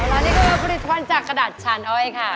เอาละนี่คือพี่ทิศวัลจากกระดาษฉานอ้อยค่ะ